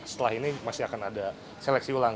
setelah ini masih akan ada seleksi ulang